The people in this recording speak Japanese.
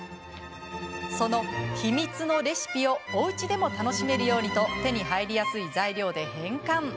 その秘密のレシピをおうちでも楽しめるようにと手に入りやすい材料で変換。